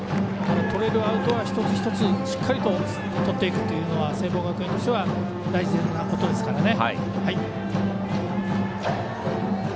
とれるアウトは一つ一つしっかりとっていくのが聖望学園にとっては大事なことですからね。